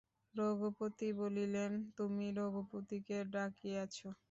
রঘুপতি বলিলেন, তুমি রঘুপতিকে ডাকিয়াছ।